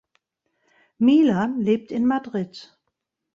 Milan lebt in Madrid.